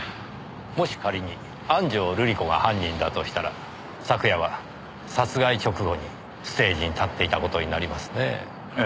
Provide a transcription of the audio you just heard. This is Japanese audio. もし仮に安城瑠里子が犯人だとしたら昨夜は殺害直後にステージに立っていた事になりますねえ。